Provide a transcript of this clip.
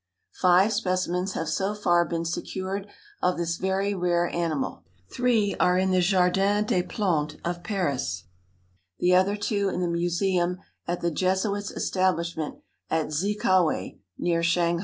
Five specimens have so far been secured of this very rare animal: three are in the Jardin des Plantes of Paris, the other two in the Museum at the Jesuits' establishment, at Zikawei, near Shanghai.